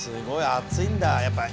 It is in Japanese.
暑いんだやっぱり。